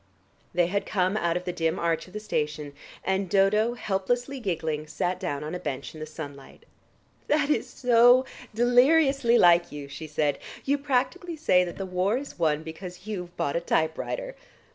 They had come out of the dim arch of the station, and Dodo, helplessly giggling, sat down on a bench in the sunlight. "That's so deliriously like you," she said. "You practically say that the war is won because you've bought a typewriter.